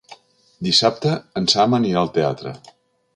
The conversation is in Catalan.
Dissabte en Sam anirà al teatre.